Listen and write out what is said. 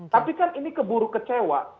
tapi kan ini keburu kecewa